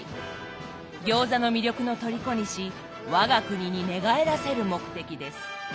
餃子の魅力の虜にし我が国に寝返らせる目的です。